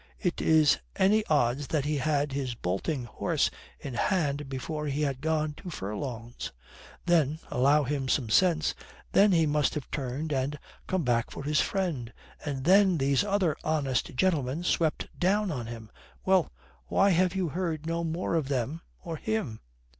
It is any odds that he had his bolting horses in hand before he had gone two furlongs. Then allow him some sense then he must have turned and come back for his friend. And then these other honest gentlemen swept down on him. Well. Why have you heard no more of them or him?"